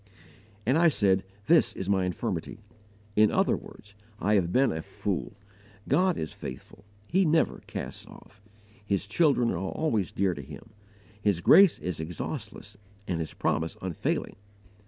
"And I said, This is my infirmity." In other words, "I HAVE BEEN A FOOL!" God is faithful. He never casts off. His children are always dear to Him. His grace is exhaustless and His promise unfailing.